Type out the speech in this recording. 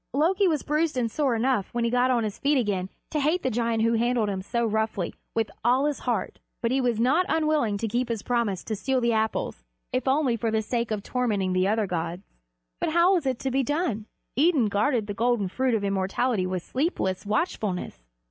Loki was bruised and sore enough when he got on his feet again to hate the giant who handled him so roughly, with all his heart, but he was not unwilling to keep his promise to steal the Apples, if only for the sake of tormenting the other gods. But how was it to be done? Idun guarded the golden fruit of immortality with sleepless watchfulness.